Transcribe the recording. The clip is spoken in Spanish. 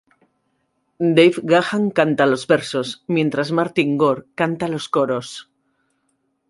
Dave Gahan canta los versos, mientras Martin Gore canta los coros.